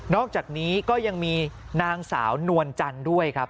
อกจากนี้ก็ยังมีนางสาวนวลจันทร์ด้วยครับ